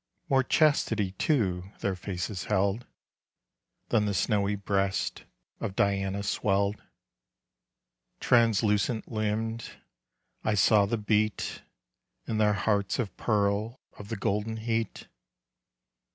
More chastity too their faces held Than the snowy breasts of DIANA swelled. Translucent limbed, I saw the beat In their hearts of pearl of the golden heat.